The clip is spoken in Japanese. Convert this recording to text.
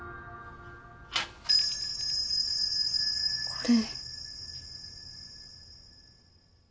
これ。